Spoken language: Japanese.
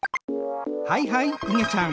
はいはいいげちゃん。